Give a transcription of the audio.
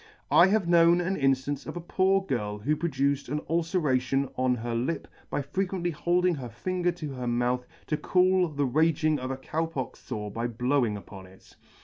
I have known an inflance of a poor girl who produced an ulcera tion on her lip by frequently holding her finger to her mouth to cool the raging of a Cow pox fore by blowing upon it.